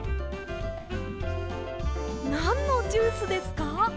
なんのジュースですか？